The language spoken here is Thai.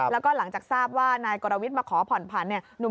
แล้วก็หลังจากทราบว่านายกรวิทย์มาขอผ่อนผันเนี่ย